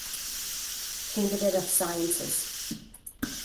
Candidate of Sciences.